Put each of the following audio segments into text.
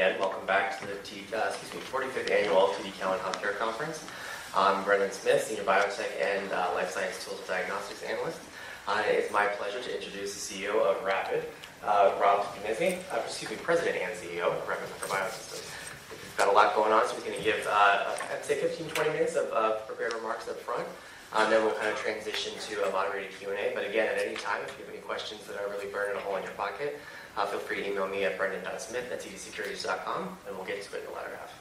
Yeah, welcome back to the 45th Annual TD Cowen Healthcare Conference. I'm Brendan Smith, Senior Biotech and Life Science Tools and Diagnostics Analyst. It's my pleasure to introduce the CEO of Rapid—Rob Spignesi—excuse me, President and CEO of Rapid Micro Biosystems. He's got a lot going on, so he's going to give, I'd say, 15-20 minutes of prepared remarks up front, and then we'll kind of transition to a moderated Q&A. Again, at any time, if you have any questions that are really burning a hole in your pocket, feel free to email me at brendan.smith@tdsecurities.com, and we'll get to it in a latter half.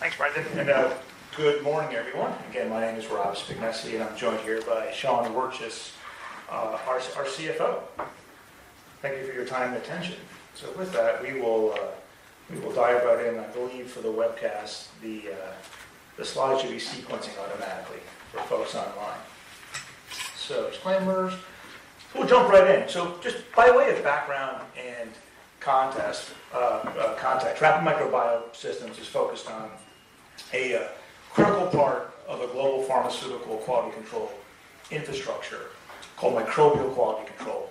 Thanks, Brendan. Good morning, everyone. Again, my name is Rob Spignesi, and I'm joined here by Sean Wirtjes, our CFO. Thank you for your time and attention. With that, we will dive right in. I believe for the webcast, the slides should be sequencing automatically for folks online. Disclaimers, we'll jump right in. Just by way of background and context, Rapid Micro Biosystems is focused on a critical part of a global pharmaceutical quality control infrastructure called microbial quality control,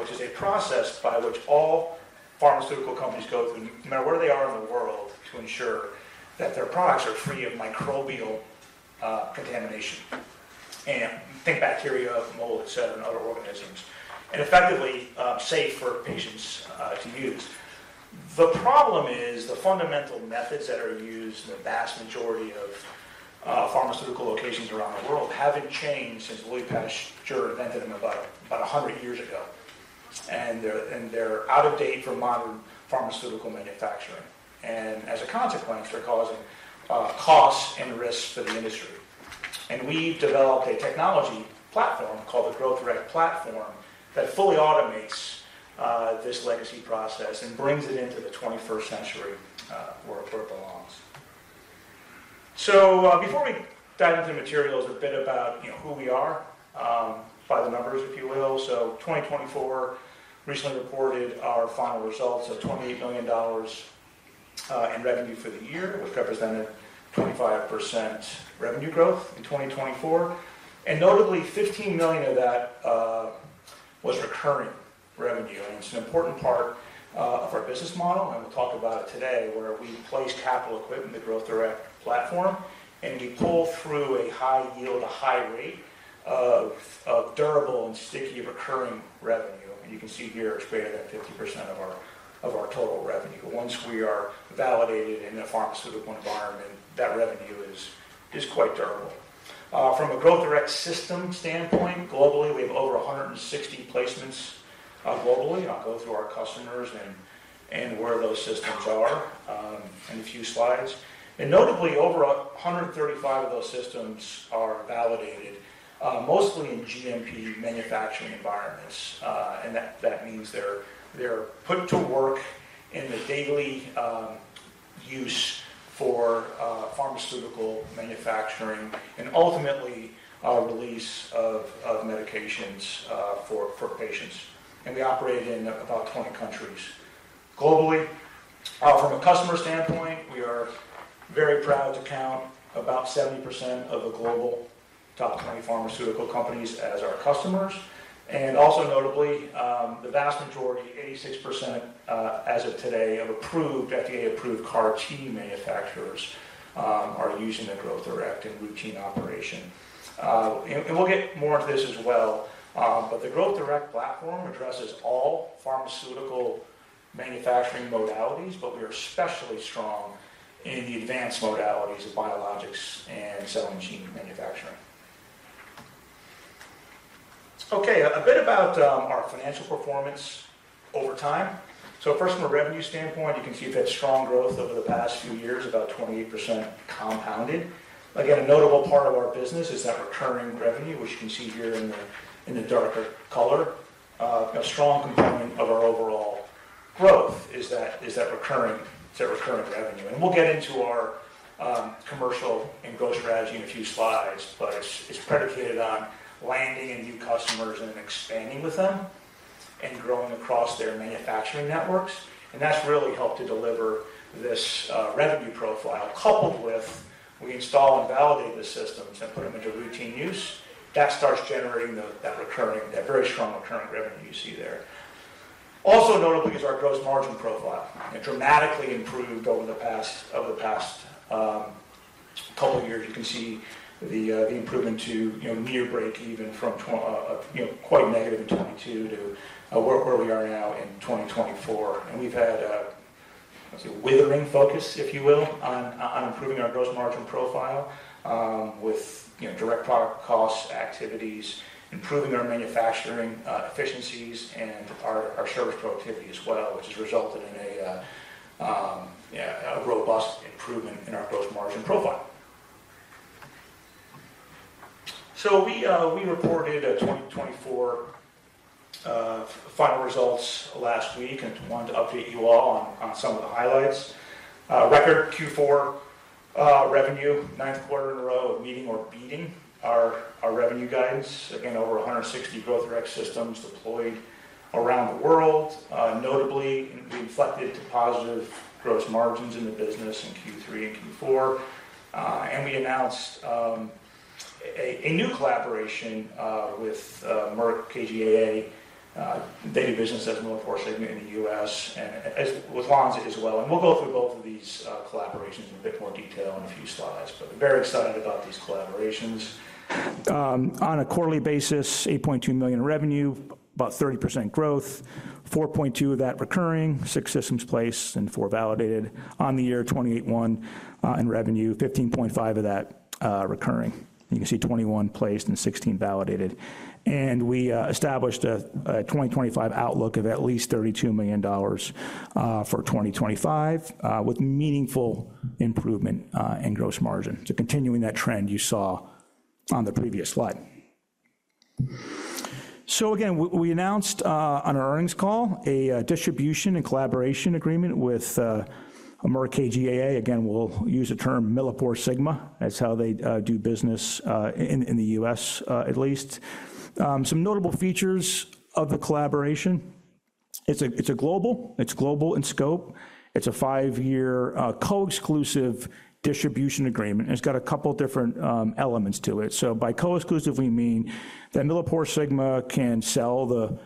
which is a process by which all pharmaceutical companies go through, no matter where they are in the world, to ensure that their products are free of microbial contamination. Think bacteria, mold, etc., and other organisms, and effectively safe for patients to use. The problem is the fundamental methods that are used in the vast majority of pharmaceutical locations around the world have not changed since Louis Pasteur invented them about 100 years ago. They are out of date for modern pharmaceutical manufacturing. As a consequence, they are causing costs and risks for the industry. We have developed a technology platform called the Growth Direct platform that fully automates this legacy process and brings it into the 21st century where it belongs. Before we dive into the materials, a bit about who we are by the numbers, if you will. In 2024, we recently reported our final results of $28 million in revenue for the year, which represented 25% revenue growth in 2024. Notably, $15 million of that was recurring revenue. It's an important part of our business model, and we'll talk about it today, where we place capital equipment in the Growth Direct platform, and we pull through a high yield, a high rate of durable and sticky recurring revenue. You can see here, it's greater than 50% of our total revenue. Once we are validated in a pharmaceutical environment, that revenue is quite durable. From a Growth Direct System standpoint, globally, we have over 160 placements globally. I'll go through our customers and where those systems are in a few slides. Notably, over 135 of those systems are validated, mostly in GMP manufacturing environments. That means they're put to work in the daily use for pharmaceutical manufacturing and ultimately release of medications for patients. We operate in about 20 countries globally. From a customer standpoint, we are very proud to count about 70% of the global top 20 pharmaceutical companies as our customers. Also notably, the vast majority, 86% as of today, of FDA-approved CAR-T manufacturers are using the Growth Direct in routine operation. We will get more into this as well. The Growth Direct platform addresses all pharmaceutical manufacturing modalities, but we are especially strong in the advanced modalities of biologics and cell and gene manufacturing. Okay, a bit about our financial performance over time. First, from a revenue standpoint, you can see we have had strong growth over the past few years, about 28% compounded. Again, a notable part of our business is that recurring revenue, which you can see here in the darker color. A strong component of our overall growth is that recurring revenue. We will get into our commercial and growth strategy in a few slides, but it is predicated on landing new customers and expanding with them and growing across their manufacturing networks. That has really helped to deliver this revenue profile, coupled with we install and validate the systems and put them into routine use. That starts generating that very strong recurring revenue you see there. Also notably is our gross margin profile. It dramatically improved over the past couple of years. You can see the improvement to near break-even from quite negative in 2022 to where we are now in 2024. We have had a withering focus, if you will, on improving our gross margin profile with direct product cost activities, improving our manufacturing efficiencies, and our service productivity as well, which has resulted in a robust improvement in our gross margin profile. We reported 2024 final results last week and wanted to update you all on some of the highlights. Record Q4 revenue, ninth quarter in a row of meeting or beating our revenue guidance. Again, over 160 Growth Direct Systems deployed around the world. Notably, we inflected to positive gross margins in the business in Q3 and Q4. We announced a new collaboration with Merck KGaA, doing business as MilliporeSigma in the U.S., and with Lonza as well. We will go through both of these collaborations in a bit more detail in a few slides, but very excited about these collaborations. On a quarterly basis, $8.2 million in revenue, about 30% growth, $4.2 million of that recurring, 6 systems placed, and 4 validated. On the year 2024, $28.1 million in revenue, $15.5 million of that recurring. You can see 21 placed and 16 validated. We established a 2025 outlook of at least $32 million for 2025 with meaningful improvement in gross margin. Continuing that trend you saw on the previous slide. We announced on our earnings call a distribution and collaboration agreement with Merck KGaA. We'll use the term MilliporeSigma. That's how they do business in the U.S., at least. Some notable features of the collaboration: it's global. It's global in scope. It's a five-year co-exclusive distribution agreement. It's got a couple of different elements to it. By co-exclusive, we mean that MilliporeSigma can sell the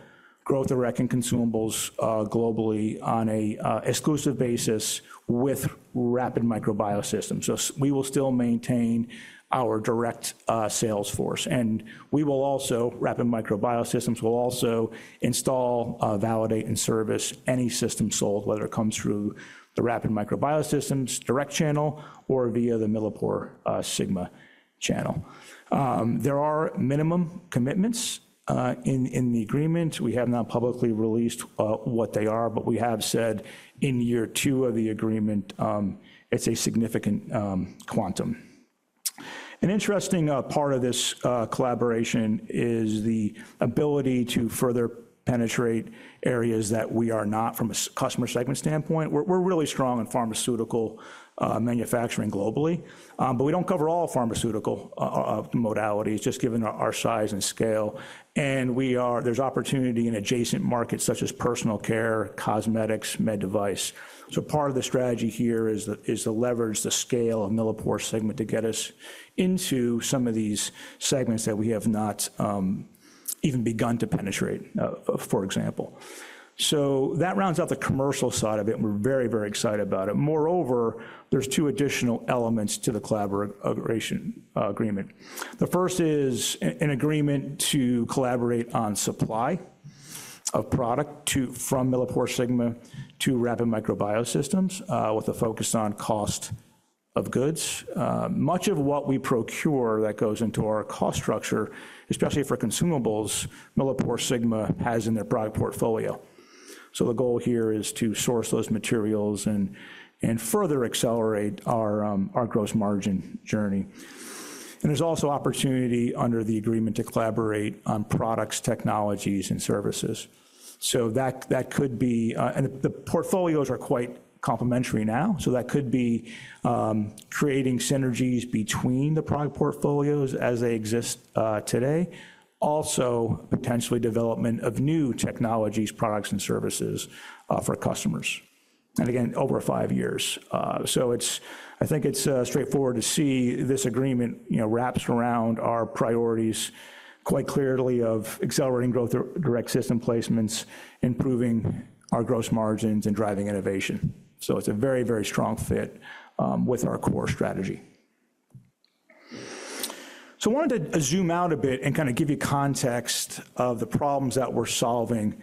Growth Direct and consumables globally on an exclusive basis with Rapid Micro Biosystems. We will still maintain our direct sales force. Rapid Micro Biosystems will also install, validate, and service any system sold, whether it comes through the Rapid Micro Biosystems direct channel or via the MilliporeSigma channel. There are minimum commitments in the agreement. We have not publicly released what they are, but we have said in year two of the agreement, it's a significant quantum. An interesting part of this collaboration is the ability to further penetrate areas that we are not from a customer segment standpoint. We're really strong in pharmaceutical manufacturing globally, but we don't cover all pharmaceutical modalities, just given our size and scale. There is opportunity in adjacent markets such as personal care, cosmetics, med device. Part of the strategy here is to leverage the scale of the MilliporeSigma to get us into some of these segments that we have not even begun to penetrate, for example. That rounds out the commercial side of it, and we're very, very excited about it. Moreover, there are two additional elements to the collaboration agreement. The first is an agreement to collaborate on supply of product from MilliporeSigma to Rapid Micro Biosystems with a focus on cost of goods. Much of what we procure that goes into our cost structure, especially for consumables, MilliporeSigma has in their product portfolio. The goal here is to source those materials and further accelerate our gross margin journey. There is also opportunity under the agreement to collaborate on products, technologies, and services. That could be—the portfolios are quite complementary now—that could be creating synergies between the product portfolios as they exist today. Also, potentially development of new technologies, products, and services for customers. Again, over five years. I think it's straightforward to see this agreement wraps around our priorities quite clearly of accelerating Growth Direct System placements, improving our gross margins, and driving innovation. It's a very, very strong fit with our core strategy. I wanted to zoom out a bit and kind of give you context of the problems that we're solving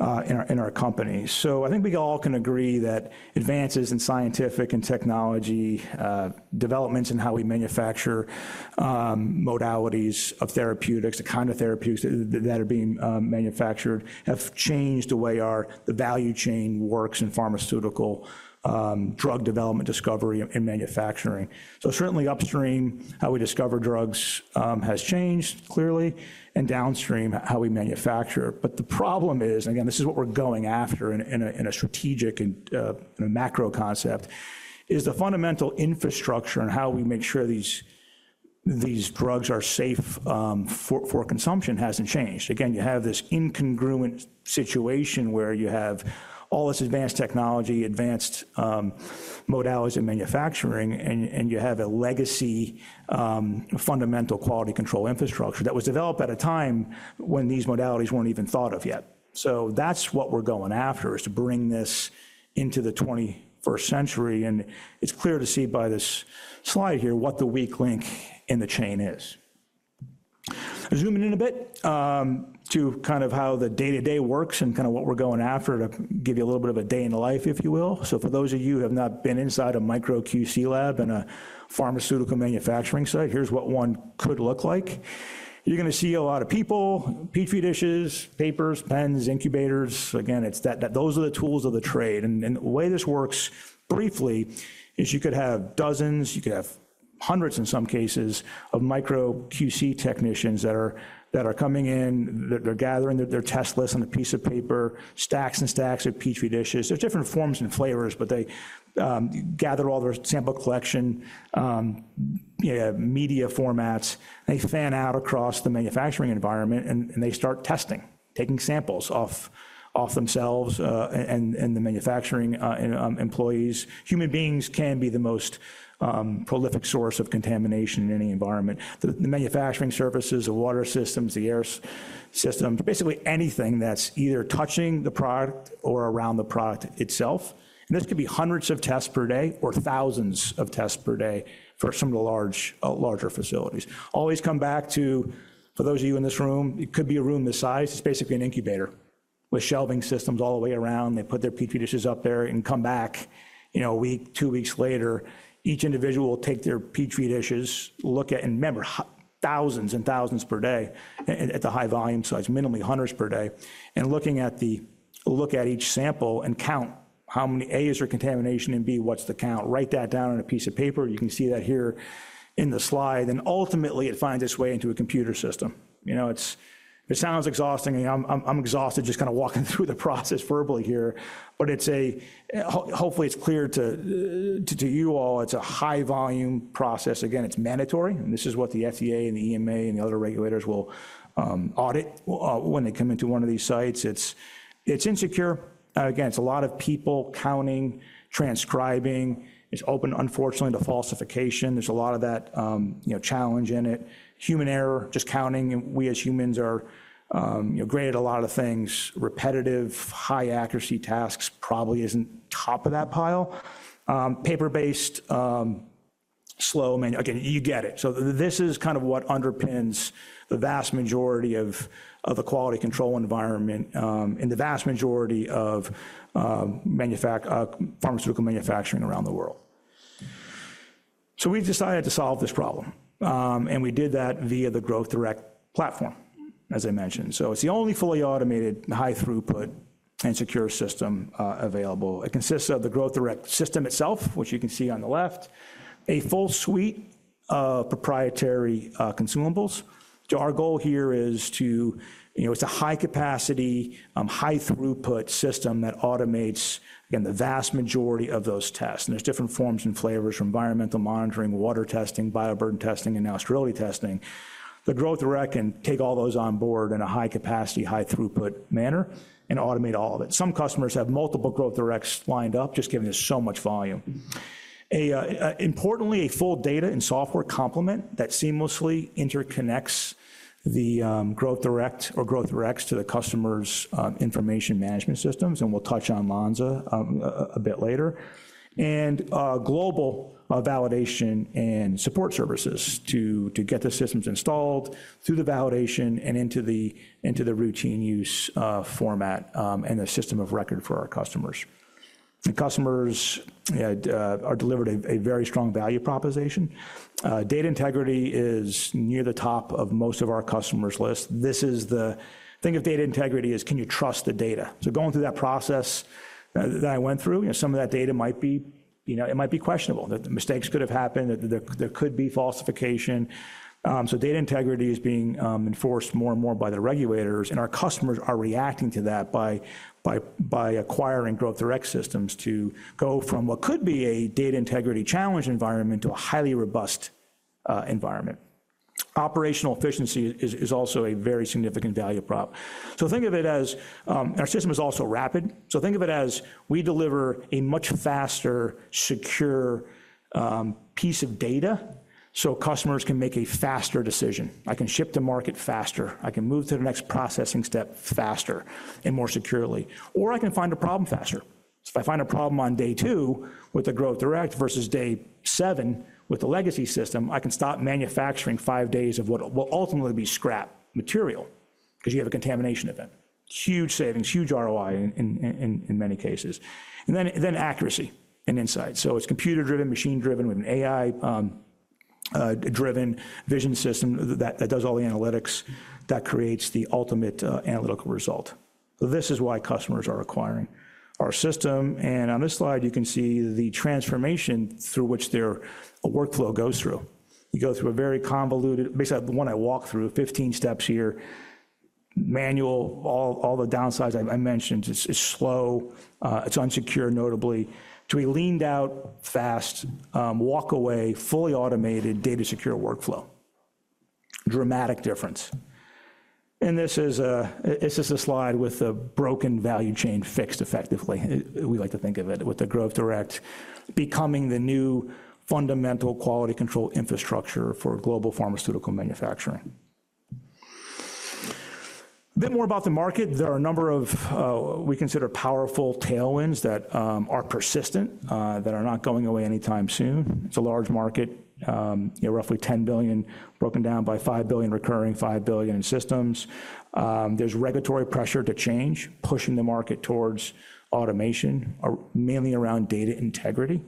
in our company. I think we all can agree that advances in scientific and technology developments in how we manufacture modalities of therapeutics, the kind of therapeutics that are being manufactured, have changed the way the value chain works in pharmaceutical drug development, discovery, and manufacturing. Certainly upstream, how we discover drugs has changed clearly, and downstream, how we manufacture. The problem is, and again, this is what we're going after in a strategic and macro concept, is the fundamental infrastructure and how we make sure these drugs are safe for consumption hasn't changed. You have this incongruent situation where you have all this advanced technology, advanced modalities of manufacturing, and you have a legacy fundamental quality control infrastructure that was developed at a time when these modalities weren't even thought of yet. That's what we're going after, is to bring this into the 21st century. It's clear to see by this slide here what the weak link in the chain is. Zooming in a bit to kind of how the day-to-day works and kind of what we're going after to give you a little bit of a day in life, if you will. For those of you who have not been inside a Micro QC lab in a pharmaceutical manufacturing site, here's what one could look like. You're going to see a lot of people, Petri dishes, papers, pens, incubators. Those are the tools of the trade. The way this works briefly is you could have dozens, you could have hundreds in some cases of Micro QC technicians that are coming in, they're gathering their test lists on a piece of paper, stacks and stacks of Petri dishes. There are different forms and flavors, but they gather all their sample collection, media formats. They fan out across the manufacturing environment, and they start testing, taking samples off themselves and the manufacturing employees. Human beings can be the most prolific source of contamination in any environment. The manufacturing services, the water systems, the air systems, basically anything that's either touching the product or around the product itself. This could be hundreds of tests per day or thousands of tests per day for some of the larger facilities. Always come back to, for those of you in this room, it could be a room this size. It's basically an incubator with shelving systems all the way around. They put their Petri dishes up there and come back a week, two weeks later. Each individual will take their Petri dishes, look at, and remember, thousands and thousands per day at the high volume size, minimally hundreds per day. Looking at each sample and count how many A's are contamination and B, what's the count, write that down on a piece of paper. You can see that here in the slide. Ultimately, it finds its way into a computer system. It sounds exhausting. I'm exhausted just kind of walking through the process verbally here, but hopefully it's clear to you all. It's a high-volume process. Again, it's mandatory. This is what the FDA and the EMA and the other regulators will audit when they come into one of these sites. It's insecure. Again, it's a lot of people counting, transcribing. It's open, unfortunately, to falsification. There's a lot of that challenge in it. Human error, just counting. We as humans are great at a lot of things. Repetitive, high-accuracy tasks probably isn't top of that pile. Paper-based, slow. Again, you get it. This is kind of what underpins the vast majority of the quality control environment and the vast majority of pharmaceutical manufacturing around the world. We decided to solve this problem. We did that via the Growth Direct platform, as I mentioned. It is the only fully automated, high-throughput, and secure system available. It consists of the Growth Direct System itself, which you can see on the left, a full suite of proprietary consumables. Our goal here is to—it is a high-capacity, high-throughput system that automates, again, the vast majority of those tests. There are different forms and flavors for environmental monitoring, water testing, bioburden testing, and sterility testing. The Growth Direct can take all those on board in a high-capacity, high-throughput manner and automate all of it. Some customers have multiple Growth Directs lined up, just giving us so much volume. Importantly, a full data and software complement seamlessly interconnects the Growth Direct or Growth Directs to the customer's information management systems, and we will touch on Lonza a bit later. Global validation and support services get the systems installed through the validation and into the routine use format and the system of record for our customers. Customers are delivered a very strong value proposition. Data integrity is near the top of most of our customers' list. This is the—think of data integrity as, can you trust the data? Going through that process that I went through, some of that data might be—it might be questionable. Mistakes could have happened. There could be falsification. Data integrity is being enforced more and more by the regulators. Our customers are reacting to that by acquiring Growth Direct Systems to go from what could be a data integrity challenge environment to a highly robust environment. Operational efficiency is also a very significant value prop. Think of it as—our system is also rapid. Think of it as we deliver a much faster, secure piece of data so customers can make a faster decision. I can ship to market faster. I can move to the next processing step faster and more securely. I can find a problem faster. If I find a problem on day two with the Growth Direct versus day seven with the legacy system, I can stop manufacturing five days of what will ultimately be scrap material because you have a contamination event. Huge savings, huge ROI in many cases. Accuracy and insight. It's computer-driven, machine-driven, with an AI-driven vision system that does all the analytics that creates the ultimate analytical result. This is why customers are acquiring our system. On this slide, you can see the transformation through which their workflow goes through. You go through a very convoluted—basically, the one I walked through, 15 steps here, manual, all the downsides I mentioned. It's slow. It's unsecure, notably. To a leaned-out, fast, walk-away, fully automated, data-secure workflow. Dramatic difference. This is a slide with a broken value chain fixed, effectively. We like to think of it with the Growth Direct becoming the new fundamental quality control infrastructure for global pharmaceutical manufacturing. A bit more about the market. There are a number of what we consider powerful tailwinds that are persistent, that are not going away anytime soon. It's a large market, roughly $10 billion broken down by $5 billion recurring, $5 billion in systems. There's regulatory pressure to change, pushing the market towards automation, mainly around data integrity.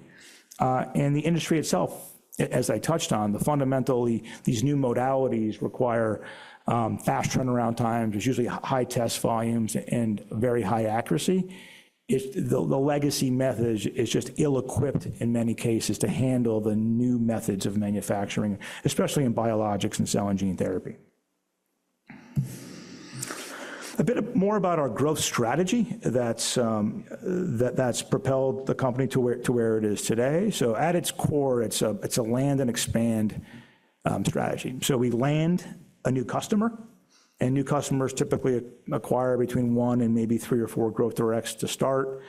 The industry itself, as I touched on, fundamentally, these new modalities require fast turnaround times. There's usually high test volumes and very high accuracy. The legacy method is just ill-equipped in many cases to handle the new methods of manufacturing, especially in biologics and cell and gene therapy. A bit more about our growth strategy that's propelled the company to where it is today. At its core, it's a land and expand strategy. We land a new customer, and new customers typically acquire between one and maybe three or four Growth Directs to start.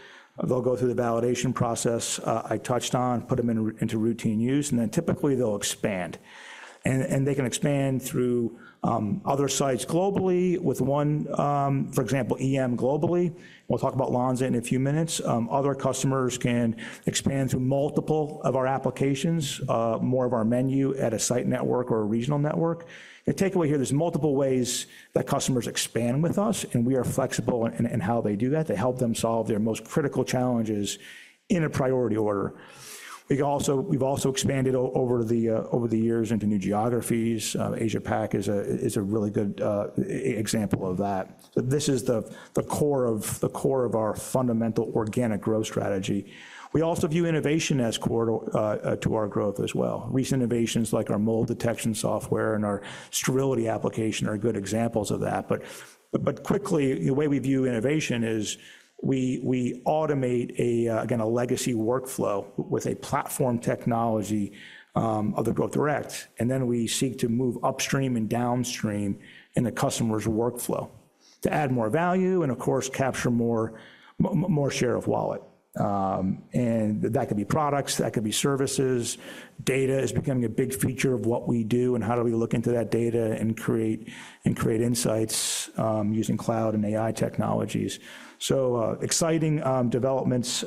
They'll go through the validation process I touched on, put them into routine use, and then typically they'll expand. They can expand through other sites globally with one, for example, EM globally. We'll talk about Lonza in a few minutes. Other customers can expand through multiple of our applications, more of our menu at a site network or a regional network. The takeaway here, there's multiple ways that customers expand with us, and we are flexible in how they do that. They help them solve their most critical challenges in a priority order. We've also expanded over the years into new geographies. APAC is a really good example of that. This is the core of our fundamental organic growth strategy. We also view innovation as core to our growth as well. Recent innovations like our mold detection software and our sterility application are good examples of that. Quickly, the way we view innovation is we automate, again, a legacy workflow with a platform technology of the Growth Direct, and then we seek to move upstream and downstream in the customer's workflow to add more value and, of course, capture more share of wallet. That could be products, that could be services. Data is becoming a big feature of what we do, and how do we look into that data and create insights using cloud and AI technologies. Exciting developments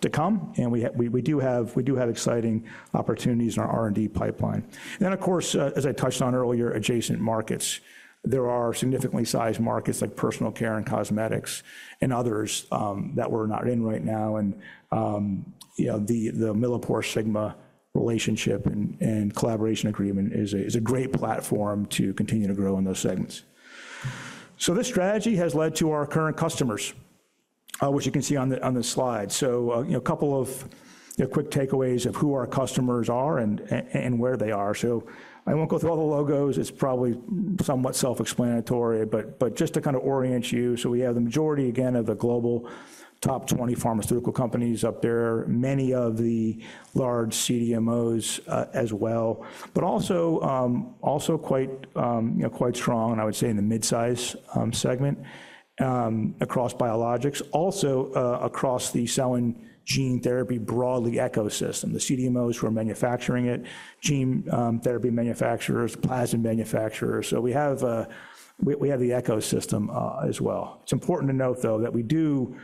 to come. We do have exciting opportunities in our R&D pipeline. Of course, as I touched on earlier, adjacent markets. There are significantly sized markets like personal care and cosmetics and others that we're not in right now. The MilliporeSigma relationship and collaboration agreement is a great platform to continue to grow in those segments. This strategy has led to our current customers, which you can see on the slide. A couple of quick takeaways of who our customers are and where they are. I won't go through all the logos. It's probably somewhat self-explanatory. Just to kind of orient you, we have the majority, again, of the global top 20 pharmaceutical companies up there, many of the large CDMOs as well, but also quite strong, I would say, in the mid-size segment across biologics, also across the cell and gene therapy broadly ecosystem, the CDMOs who are manufacturing it, gene therapy manufacturers, plasmid manufacturers. We have the ecosystem as well. It's important to note, though, that we do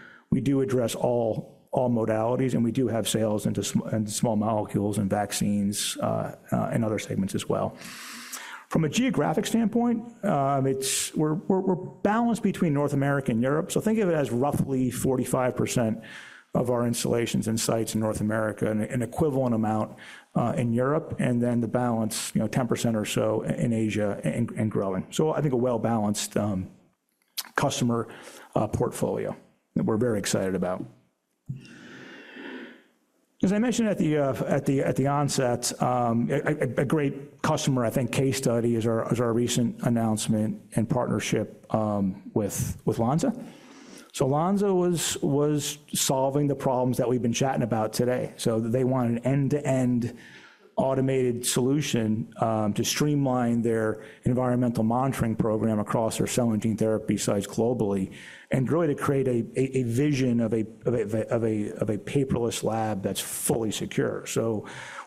address all modalities, and we do have sales into small molecules and vaccines and other segments as well. From a geographic standpoint, we're balanced between North America and Europe. Think of it as roughly 45% of our installations and sites in North America and an equivalent amount in Europe, and then the balance, 10% or so in Asia and growing. I think a well-balanced customer portfolio that we're very excited about. As I mentioned at the onset, a great customer, I think, case study is our recent announcement and partnership with Lonza. Lonza was solving the problems that we've been chatting about today. They want an end-to-end automated solution to streamline their environmental monitoring program across their cell and gene therapy sites globally and really to create a vision of a paperless lab that's fully secure.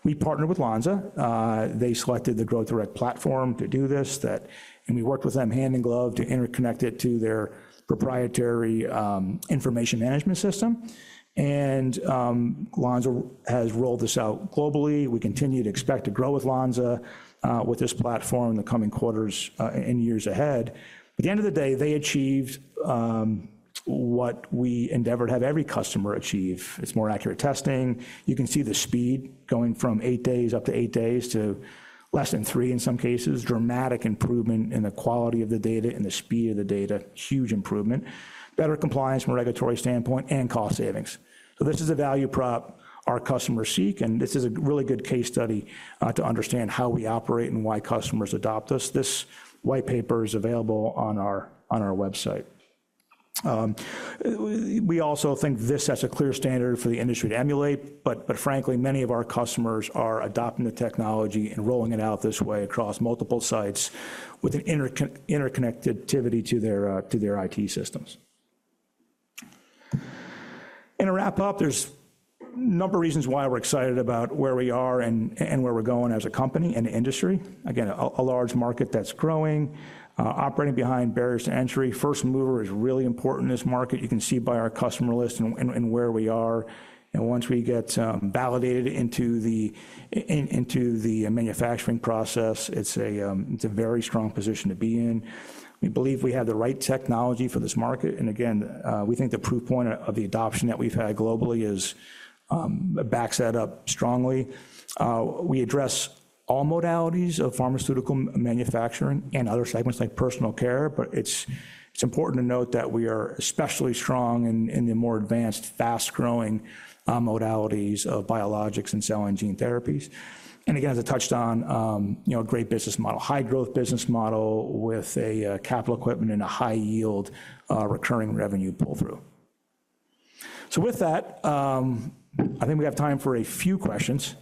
We partnered with Lonza. They selected the Growth Direct platform to do this, and we worked with them hand in glove to interconnect it to their proprietary information management system. Lonza has rolled this out globally. We continue to expect to grow with Lonza with this platform in the coming quarters and years ahead. At the end of the day, they achieved what we endeavor to have every customer achieve. It's more accurate testing. You can see the speed going from eight days up to eight days to less than three in some cases, dramatic improvement in the quality of the data and the speed of the data, huge improvement, better compliance from a regulatory standpoint and cost savings. This is a value prop our customers seek, and this is a really good case study to understand how we operate and why customers adopt us. This whitepaper is available on our website. We also think this sets a clear standard for the industry to emulate. Frankly, many of our customers are adopting the technology and rolling it out this way across multiple sites with an interconnectivity to their IT systems. To wrap up, there's a number of reasons why we're excited about where we are and where we're going as a company and industry. Again, a large market that's growing, operating behind barriers to entry. First mover is really important in this market. You can see by our customer list and where we are. Once we get validated into the manufacturing process, it's a very strong position to be in. We believe we have the right technology for this market. We think the proof point of the adoption that we've had globally backs that up strongly. We address all modalities of pharmaceutical manufacturing and other segments like personal care. It is important to note that we are especially strong in the more advanced, fast-growing modalities of biologics and cell and gene therapies. As I touched on, a great business model, high-growth business model with capital equipment and a high-yield recurring revenue pull-through. I think we have time for a few questions.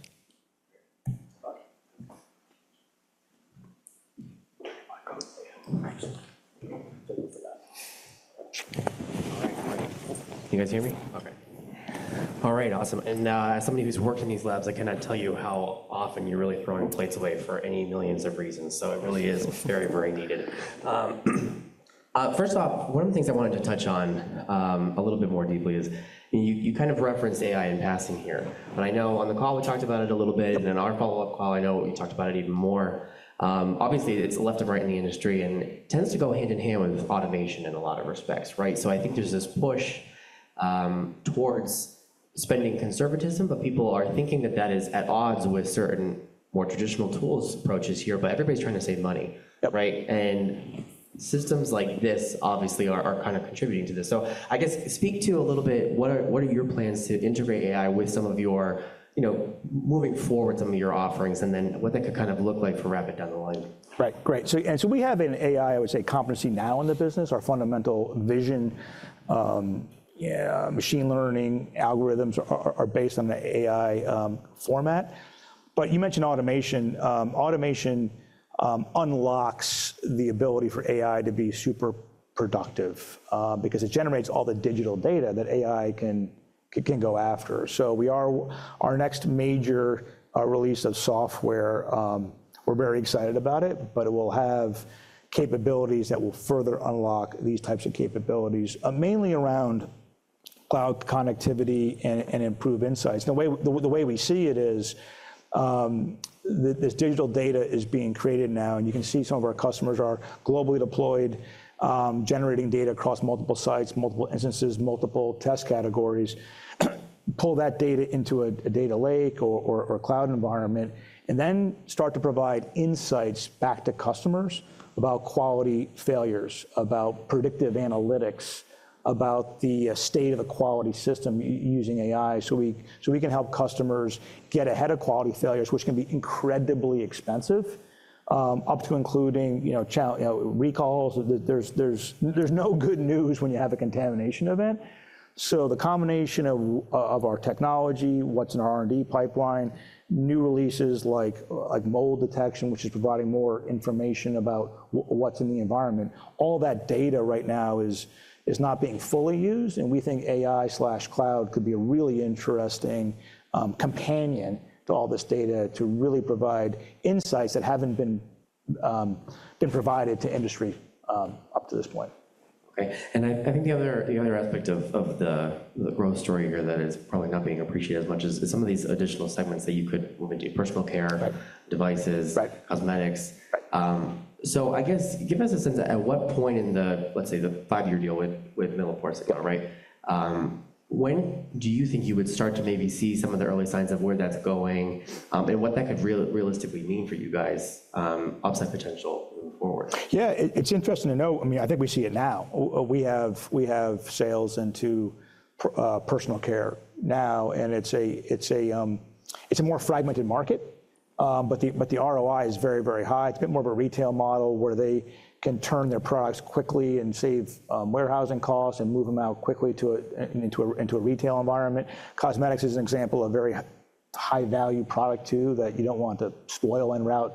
You guys hear me? Okay. All right. Awesome. As somebody who's worked in these labs, I cannot tell you how often you're really throwing plates away for any millions of reasons. It really is very, very needed. First off, one of the things I wanted to touch on a little bit more deeply is you kind of referenced AI in passing here. I know on the call, we talked about it a little bit. In our follow-up call, I know we talked about it even more. Obviously, it's left and right in the industry, and it tends to go hand in hand with automation in a lot of respects. I think there's this push towards spending conservatism, but people are thinking that that is at odds with certain more traditional tools' approaches here. Everybody's trying to save money, right? Systems like this obviously are kind of contributing to this. I guess speak to a little bit, what are your plans to integrate AI with some of your moving forward, some of your offerings, and then what that could kind of look like for Rapid down the line? Right. Great. We have an AI, I would say, competency now in the business. Our fundamental vision, machine learning algorithms are based on the AI format. You mentioned automation. Automation unlocks the ability for AI to be super productive because it generates all the digital data that AI can go after. Our next major release of software, we're very excited about it, but it will have capabilities that will further unlock these types of capabilities, mainly around cloud connectivity and improved insights. The way we see it is this digital data is being created now, and you can see some of our customers are globally deployed, generating data across multiple sites, multiple instances, multiple test categories, pull that data into a data lake or cloud environment, and then start to provide insights back to customers about quality failures, about predictive analytics, about the state of the quality system using AI. We can help customers get ahead of quality failures, which can be incredibly expensive, up to including recalls. There's no good news when you have a contamination event. The combination of our technology, what's in our R&D pipeline, new releases like mold detection, which is providing more information about what's in the environment, all that data right now is not being fully used. We think AI/cloud could be a really interesting companion to all this data to really provide insights that have not been provided to industry up to this point. Okay. I think the other aspect of the growth story here that is probably not being appreciated as much is some of these additional segments that you could want to do: personal care, devices, cosmetics. I guess give us a sense at what point in the, let's say, the five-year deal with MilliporeSigma, right? When do you think you would start to maybe see some of the early signs of where that is going and what that could realistically mean for you guys, upside potential moving forward? Yeah. It is interesting to note. I mean, I think we see it now. We have sales into personal care now, and it is a more fragmented market, but the ROI is very, very high. It's a bit more of a retail model where they can turn their products quickly and save warehousing costs and move them out quickly into a retail environment. Cosmetics is an example of a very high-value product too that you don't want to spoil en route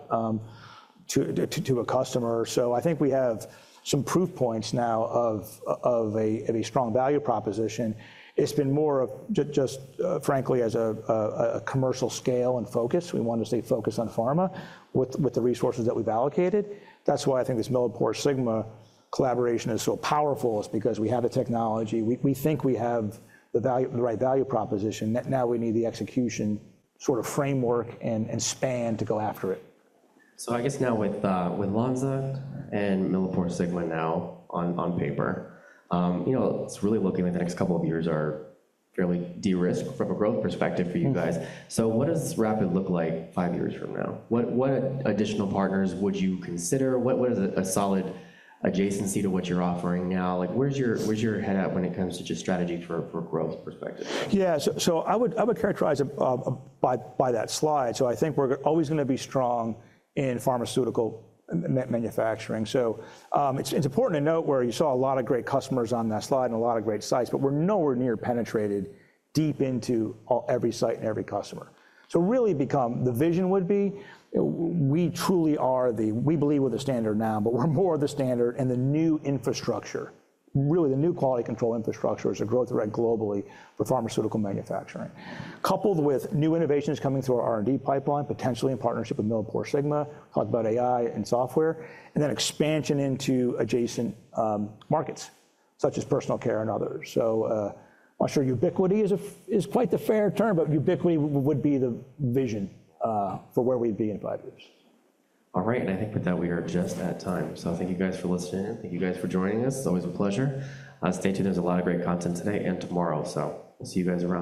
to a customer. I think we have some proof points now of a strong value proposition. It's been more of just, frankly, as a commercial scale and focus. We want to stay focused on pharma with the resources that we've allocated. That's why I think this MilliporeSigma collaboration is so powerful is because we have the technology. We think we have the right value proposition. Now we need the execution sort of framework and span to go after it. I guess now with Lonza and MilliporeSigma now on paper, it's really looking like the next couple of years are fairly de-risked from a growth perspective for you guys. What does Rapid look like five years from now? What additional partners would you consider? What is a solid adjacency to what you're offering now? Where's your head at when it comes to just strategy for growth perspective? Yeah. I would characterize it by that slide. I think we're always going to be strong in pharmaceutical manufacturing. It's important to note where you saw a lot of great customers on that slide and a lot of great sites, but we're nowhere near penetrated deep into every site and every customer. Really become the vision would be we truly are the, we believe we're the standard now, but we're more of the standard and the new infrastructure, really the new quality control infrastructure is Growth Direct globally for pharmaceutical manufacturing, coupled with new innovations coming through our R&D pipeline, potentially in partnership with MilliporeSigma, talk about AI and software, and then expansion into adjacent markets such as personal care and others. I'm not sure ubiquity is quite the fair term, but ubiquity would be the vision for where we'd be in five years. All right. I think with that, we are just at time. Thank you guys for listening. Thank you guys for joining us. It's always a pleasure. Stay tuned. There's a lot of great content today and tomorrow. We'll see you guys around.